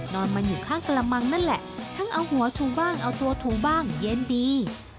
นอนมันอยู่ข้างกระมังนั่นแหละทั้งเอาหัวถูบ้างเอาตัวถูบ้างเย็นดี